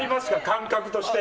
感覚として。